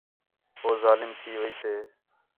ہو ظالم تھی ویسے